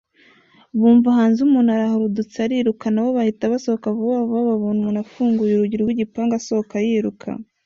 bumva hanze umuntu arahurudutse ariruka, nabo bahita basohoka vuba vuba, babona umuntu afunguye urugi rwigipangu asohoka yiruka!